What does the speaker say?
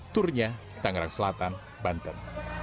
turnya tangerang selatan banten